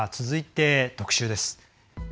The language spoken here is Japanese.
続いて、特集です。